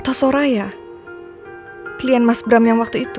atau soraya klien mas bram yang waktu itu